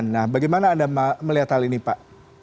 nah bagaimana anda melihat hal ini pak